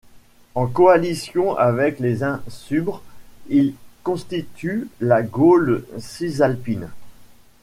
En coalition avec les Insubres, ils constituent la Gaule cisalpine.